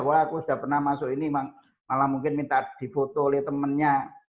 wah aku sudah pernah masuk ini malah mungkin minta difoto oleh temennya